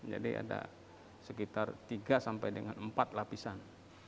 jadi ada sekitar tiga sampai dengan empat lapisan